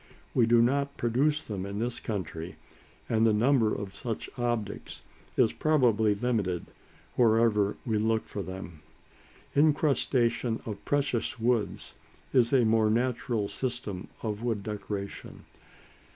We do not produce them in this country; and the number of such objects is probably limited wherever we look for them. Incrustation of precious woods is a more natural system of wood decoration.